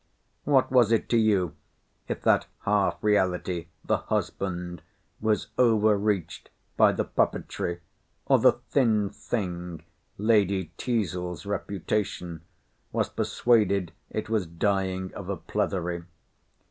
What was it to you if that half reality, the husband, was over reached by the puppetry—or the thin thing (Lady Teazle's reputation) was persuaded it was dying of a plethory?